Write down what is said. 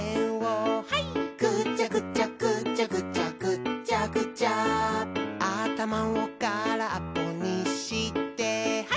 「ぐちゃぐちゃぐちゃぐちゃぐっちゃぐちゃ」「あたまをからっぽにしてハイ！」